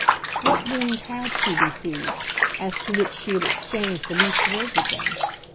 What wound HAD she received as to which she had exchanged the least word with them?